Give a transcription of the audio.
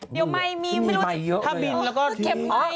เดี๋ยวไมมีถ้าบินแล้วก็เก็บไหน